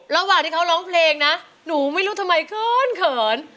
ระหว่างที่เขาร้องเพลงนะหนูไม่รู้ทำไมเขินเขิน